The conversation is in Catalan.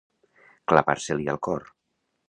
Clavar-se-li al cor.